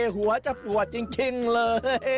หัวจะปวดจริงเลย